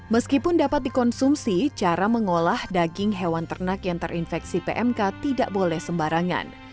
meskipun dapat dikonsumsi cara mengolah daging hewan ternak yang terinfeksi pmk tidak boleh sembarangan